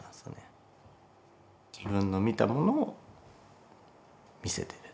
自分の見たものを見せてる。